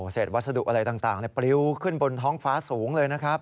วัสดุอะไรต่างปริ้วขึ้นบนท้องฟ้าสูงเลยนะครับ